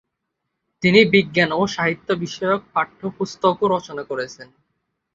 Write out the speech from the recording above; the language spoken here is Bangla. তিনি বিজ্ঞান ও সাহিত্য বিষয়ক পাঠ্যপুস্তকও রচনা করেছেন।